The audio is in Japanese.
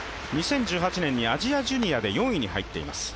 ２０１８年にアジアジュニアで４位に入っています。